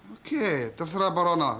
oke terserah pak ronald